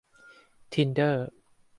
ทินเดอร์